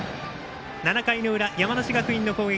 ６回の裏、山梨学院の攻撃。